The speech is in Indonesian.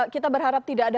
kita berharap tidak ada